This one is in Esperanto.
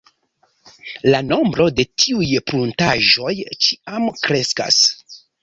La nombro de tiuj pruntaĵoj ĉiam kreskas.